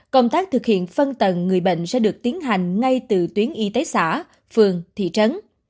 công tác thực hiện phân tầng người bệnh sẽ được tiến hành ngay từ tuyến y tế xã phường thị trấn